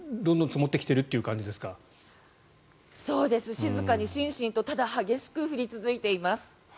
静かにしんしんとただ、激しく降り続いています。